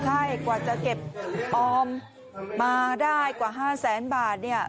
ใช่กว่าจะเก็บออมมาได้กว่า๕แสนบาทเนี่ย